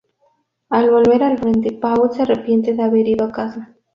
Al volver al frente, Paul se arrepiente de haber ido a casa.